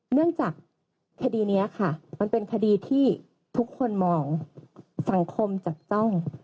เนื่องจากคดีนี้ค่ะมันเป็นคดีที่ทุกคนมองสังคมจับจ้อง